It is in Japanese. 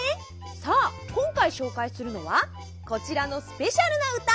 さあこんかいしょうかいするのはこちらのスペシャルなうた！